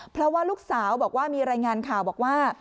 เพราะว่าลูกสาวบอกว่ามีรายงานข่าวบอกว่า